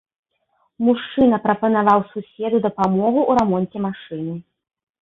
Мужчына прапанаваў суседу дапамогу ў рамонце машыны.